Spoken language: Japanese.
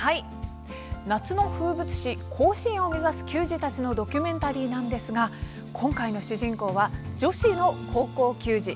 夏の風物詩甲子園を目指す球児たちのドキュメンタリーなんですが今回の主人公は女子の高校球児。